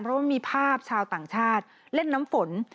เพราะว่ามีภาพชาวต่างชาติเล่นน้ำฝน